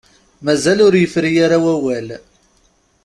Mazal ur yefri ara wawal.